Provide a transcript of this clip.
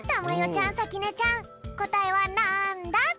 ちゃんさきねちゃんこたえはなんだ？